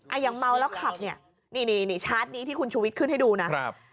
อ่ะยังเมาแล้วขับเนี่ยนี่ชาร์จนี้ที่คุณชูวิทรขึ้นให้ดูนะ